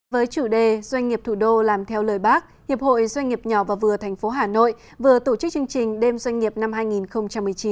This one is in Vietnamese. với chủ đề doanh nghiệp thủ đô làm theo lời bác hiệp hội doanh nghiệp nhỏ và vừa tp hà nội vừa tổ chức chương trình đêm doanh nghiệp năm hai nghìn một mươi chín